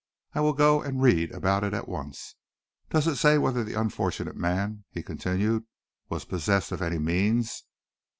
I will go and read about it at once. Does it say whether the unfortunate man," he continued, "was possessed of any means?"